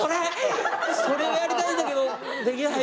それがやりたいんだけどできない。